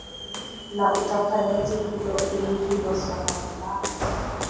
na utafanyaje hilo ili hilo swala la